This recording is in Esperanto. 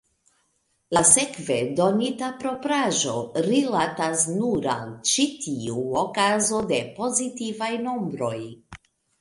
La sekve donitaj propraĵoj rilatas nur al ĉi tiu okazo de pozitivaj nombroj.